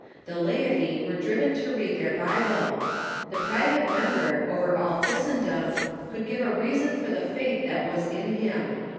The laity were driven to read their Bible. The private member, over all Christendom, could give a reason for the faith that was in him.